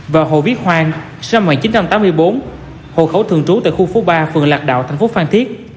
và hồ viết hoang sinh năm một nghìn chín trăm tám mươi bốn hộ khẩu thường trú tại khu phố ba phường lạc đạo thành phố phan thiết